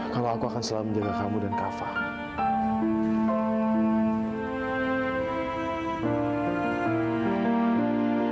kalau aku akan selalu menjaga kamu dan kak fadil